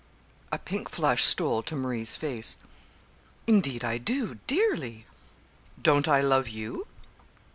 A pink flush stole to Marie's face. "Indeed I do, dearly." "Don't I love you?"